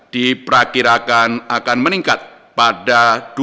diperkirakan akan meningkat pada dua ribu dua puluh